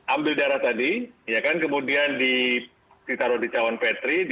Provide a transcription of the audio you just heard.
ambil darah tadi kemudian ditaruh di cawan petri